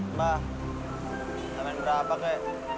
mba tambahin berapa kek